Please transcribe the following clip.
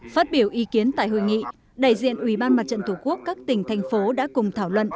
phát biểu ý kiến tại hội nghị đại diện ubndtqvn các tỉnh thành phố đã cùng thảo luận